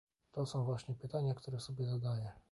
To są właśnie pytania, które sobie zadaję